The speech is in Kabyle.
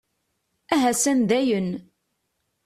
Ahasan dayen!